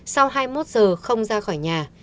sau hai mươi một giờ không ra khỏi nhà